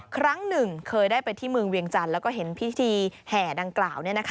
ครั้งหนึ่งเคยได้ไปที่เมืองเวียงจันทร์แล้วก็เห็นพิธีแห่ดังกล่าว